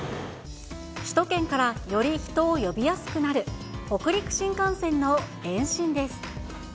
首都圏からより人を呼びやすくなる北陸新幹線の延伸です。